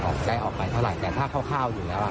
ออกได้ออกไปเท่าไรแต่ถ้าเข้าข้าวอยู่แล้วอ่ะ